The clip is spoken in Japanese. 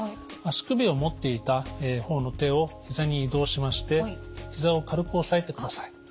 足首を持っていた方の手をひざに移動しましてひざを軽く押さえてください。